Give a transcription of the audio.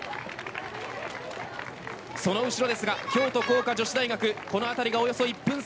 その後ろですが京都光華女子大学このあたりがおよそ１分差。